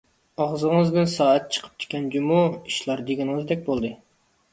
ئاغزىڭىزدىن سائەت چىقىپتىكەن جۇمۇ، ئىشلار دېگىنىڭىزدەك بولدى.